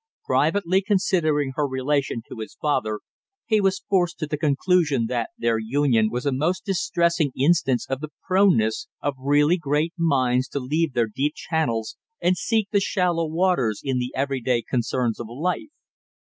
Privately considering her relation to his father, he was forced to the conclusion that their union was a most distressing instance of the proneness of really great minds to leave their deep channels and seek the shallow waters in the every day concerns of life.